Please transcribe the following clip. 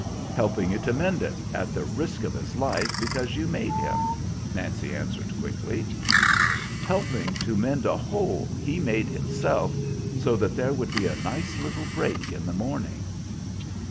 "Helping you to mend it, at the risk of his life, because you made him," Nancy answered quickly. "Helping to mend a hole he made himself, so there would be a nice little break in the morning."